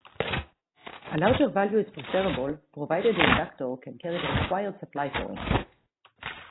A larger value is preferable provided the inductor can carry the required supply current.